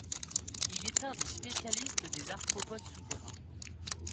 Il est un spécialiste des arthropodes souterrains.